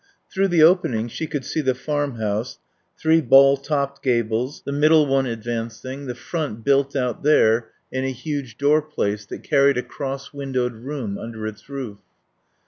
Through the opening she could see the farmhouse, three ball topped gables, the middle one advancing, the front built out there in a huge door place that carried a cross windowed room under its roof.